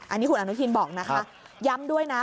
อันนี้คุณอนุทินบอกนะคะย้ำด้วยนะ